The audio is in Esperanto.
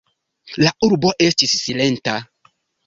La urbo estis silenta.